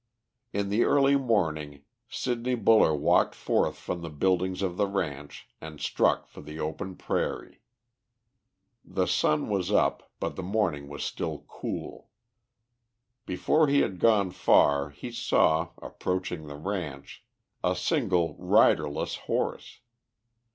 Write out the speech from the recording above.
In the early morning Sidney Buller walked forth from the buildings of the ranch and struck for the open prairie. The sun was up, but the morning was still cool. Before he had gone far he saw, approaching the ranch, a single riderless horse.